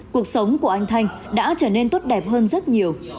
cuộc sống của anh thanh đã trở nên tốt đẹp hơn rất nhiều